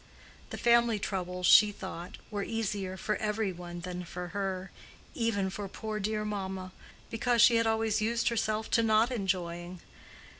The family troubles, she thought, were easier for every one than for her—even for poor dear mamma, because she had always used herself to not enjoying.